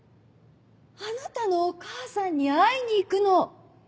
あなたのお母さんに会いに行くの！